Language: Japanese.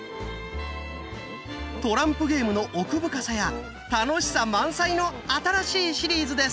トランプゲームの奥深さや楽しさ満載の新しいシリーズです！